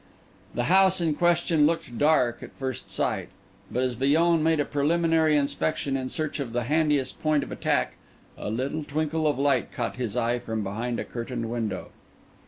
The house in question looked dark at first sight; but as Villon made a preliminary inspection in search of the handiest point of attack, a little twinkle of light caught his eye from behind a curtained window.